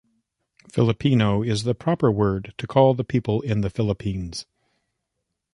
Filipino is the proper word to call the people in the Philippines.